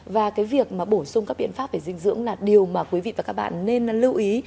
và cái việc mà bổ sung các biện pháp về dinh dưỡng là điều mà quý vị và các bạn nên lưu ý